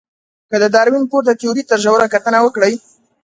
که د داروېن پورته تیوري ته ژوره کتنه وکړئ.